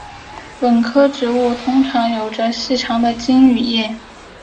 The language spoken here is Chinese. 本科植物通常有着细长的茎与叶。